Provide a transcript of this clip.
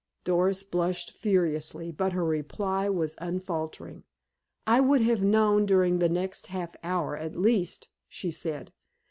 Doris blushed furiously, but her reply was unfaltering. "I would have known during the next half hour, at least," she said.